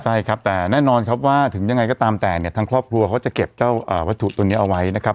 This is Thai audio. ใช่ครับแต่แน่นอนครับว่าถึงยังไงก็ตามแต่เนี่ยทางครอบครัวเขาจะเก็บเจ้าวัตถุตัวนี้เอาไว้นะครับ